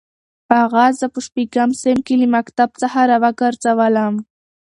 اغا زه په شپږم صنف کې له مکتب څخه راوګرځولم.